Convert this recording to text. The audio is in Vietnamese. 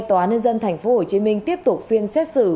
tòa ninh dân tp hcm tiếp tục phiên xét xử